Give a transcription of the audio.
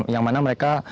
yang mana mereka